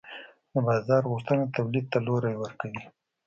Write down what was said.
د بازار غوښتنه تولید ته لوری ورکوي.